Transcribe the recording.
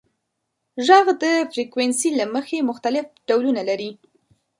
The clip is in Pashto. • ږغ د فریکونسۍ له مخې مختلف ډولونه لري.